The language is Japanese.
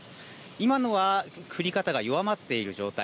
今は降り方が弱まっている状態。